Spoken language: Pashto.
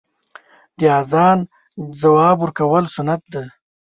د اذان ځواب ورکول سنت دی .